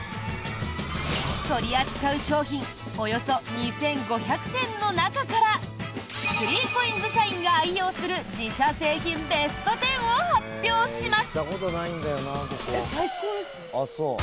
取り扱う商品およそ２５００点の中から３ＣＯＩＮＳ社員が愛用する自社製品ベスト１０を発表します。